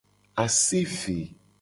Ase eve.